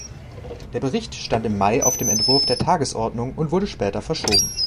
Der Bericht stand im Mai auf dem Entwurf der Tagesordnung und wurde später verschoben.